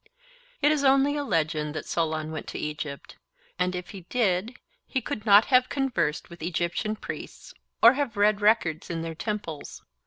It is only a legend that Solon went to Egypt, and if he did he could not have conversed with Egyptian priests or have read records in their temples.